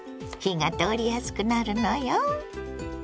火が通りやすくなるのよ。